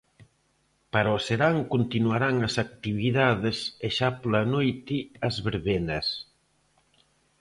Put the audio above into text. Para o serán continuarán as actividades e xa pola noite as verbenas.